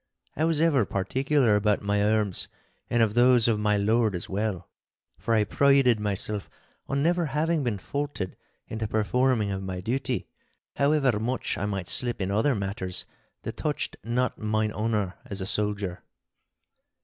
I was ever particular about my arms and of those of my lord as well, for I prided myself on never having been faulted in the performing of my duty, however much I might slip in other matters that touched not mine honour as a soldier.